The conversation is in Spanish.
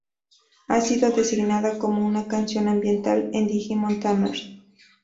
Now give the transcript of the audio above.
Ha sido designada como una canción ambiental en "Digimon Tamers".